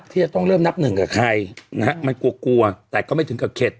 ที่จะต้องเริ่มนับหนึ่งกับใครนะฮะมันกลัวกลัวแต่ก็ไม่ถึงกับเข็ด